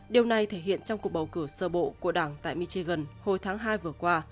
điều này thể hiện trong cuộc bầu cử sơ bộ của đảng tại michigan hồi tháng hai vừa qua